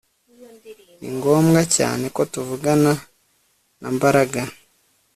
Ni ngombwa cyane ko tuvugana na Mbaraga